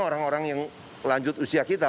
orang orang yang lanjut usia kita